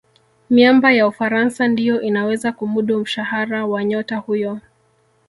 miamba ya ufaransa ndiyo inaweza kumudu mshahara wa nyota huyo